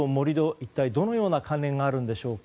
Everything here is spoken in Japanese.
一体どのような関連があるんでしょうか。